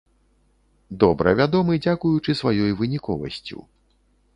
Добра вядомы дзякуючы сваёй выніковасцю.